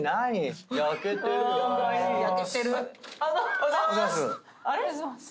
おはようございます。